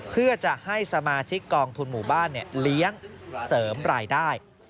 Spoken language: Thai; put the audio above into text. เพื่อจะให้สมาชิกกองทุนหมู่บ้านเลี้ยงเสริมรายได้